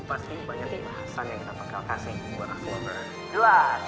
pasti banyak pembahasan yang kita pengen kasih buat axeloverz